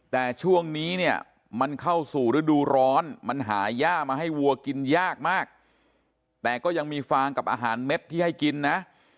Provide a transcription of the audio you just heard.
แต่ช่วงนี้เนี่ยมันเข้าสู่ฤดูร้อนมันหาย่ามาให้วัวกินยากมากแต่ก็ยังมีฟางกับอาหารเม็ดที่ให้กินนะ